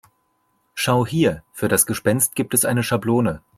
Schau hier, für das Gespenst gibt es eine Schablone.